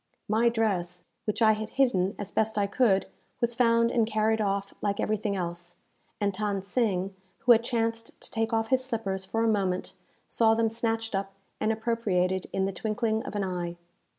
My dress, which I had hidden as best I could, was found and carried off like everything else; and Than Sing, who had chanced to take off his slippers for a moment, saw them snatched up and appropriated in the twinkling of an eye.